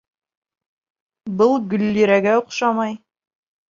Был Гөллирәгә оҡшамай.